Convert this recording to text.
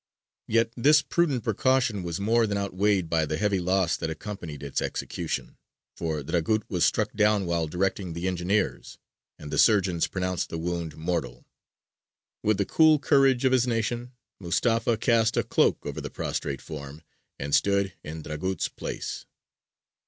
Yet this prudent precaution was more than outweighed by the heavy loss that accompanied its execution: for Dragut was struck down while directing the engineers, and the surgeons pronounced the wound mortal. With the cool courage of his nation, Mustafa cast a cloak over the prostrate form, and stood in Dragut's place.